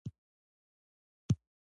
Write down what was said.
شاه محمود اصلي موخه د ایران نیول و.